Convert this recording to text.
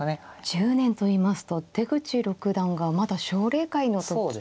１０年といいますと出口六段がまだ奨励会の時からということですか。